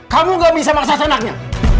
kamu gak bisa maksat enaknya